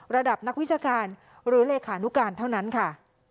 ระดับนักวิชาการหรือเลขานุการเท่านั้นค่ะ